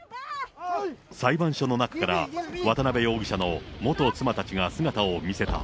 裁判所の中から、渡辺容疑者の元妻たちが姿を見せた。